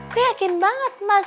gue yakin banget mas